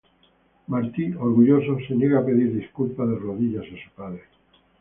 Martí, orgulloso, se niega a pedir disculpas de rodillas a su padre.